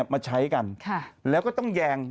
มาใช้กันแล้วก็ต้องแยง